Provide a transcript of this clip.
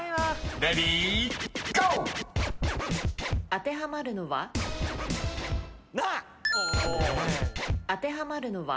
当てはまるのは？